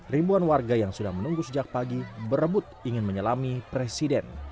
ribuan warga yang sudah menunggu sejak pagi berebut ingin menyelami presiden